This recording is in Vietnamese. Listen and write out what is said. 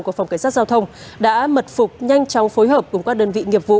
của phòng cảnh sát giao thông đã mật phục nhanh chóng phối hợp cùng các đơn vị nghiệp vụ